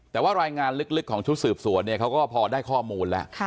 แต่ว่ารายงานลึกของชุดสืบสวนเนี่ยเขาก็พอได้ข้อมูลแล้ว